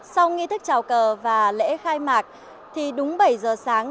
sau nghi thức trào cờ và lễ khai mạc thì đúng bảy giờ sáng